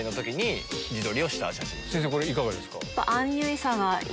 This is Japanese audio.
先生これいかがですか？